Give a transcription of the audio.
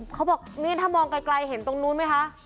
เขาบอกนี่ถ้ามองไกลเห็นตรงนู้นไหมคะ